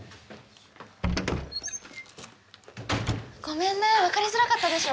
ごめんね分かりづらかったでしょ？